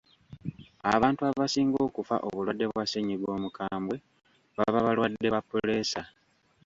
Abantu abasinga okufa obulwadde bwa ssennyiga omukambwe baba balwadde ba puleesa.